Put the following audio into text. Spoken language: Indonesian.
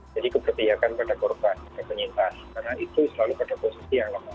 jadi keberpihakan pada korban penyintas karena itu selalu pada posisi yang lemah